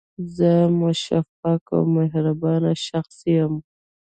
زه مشفق او مهربانه شخص یم